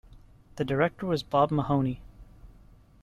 The director was Bob Mahoney.